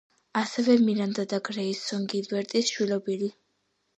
ასევე მირანდა და გრეისონ გილბერტის შვილობილი.